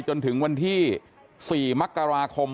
จนถึงวันที่๔มกราคม